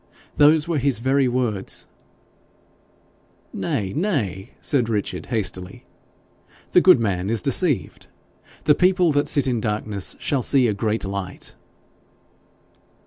Those were his very words.' 'Nay, nay!' said Richard, hastily; 'the good man is deceived; the people that sit in darkness shall see a great light.'